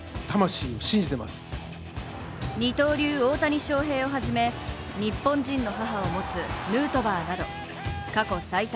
二刀流・大谷翔平をはじめ日本人の母を持つヌートバーなど過去最多